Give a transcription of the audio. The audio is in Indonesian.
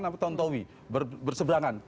kemudian pak t w berseberangan